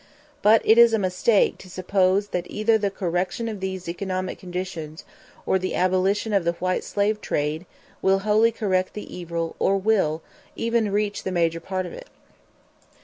But it is a mistake to suppose that either the correction of these economic conditions or the abolition of the white slave trade will wholly correct the evil or will even reach the major part of it.